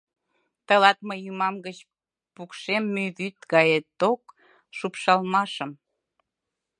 Тылат мый ӱмам гыч пукшем мӱй вӱд гае ток шупшалмашым.